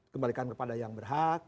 kembalikan kepada yang berhak